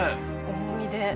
重みで。